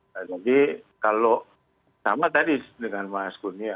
jadi kalau sama tadi dengan mas gunia